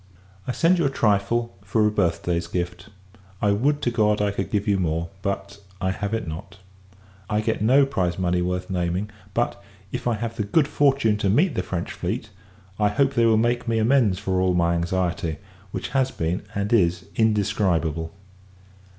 I send you a trifle, for a birth day's gift. I would to God, I could give you more; but, I have it not! I get no prize money worth naming; but, if I have the good fortune to meet the French fleet, I hope they will make me amends for all my anxiety; which has been, and is, indescribable.